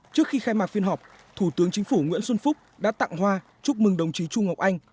trước khi khai mạc phiên họp thủ tướng chính phủ nguyễn xuân phúc đã tặng hoa chúc mừng đồng chí chu ngọc anh